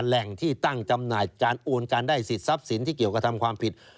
แหล่งที่ตั้งจำหน่ายการโอนการได้สิทธิ์ทรัพย์สินที่เกี่ยวกับทำความผิด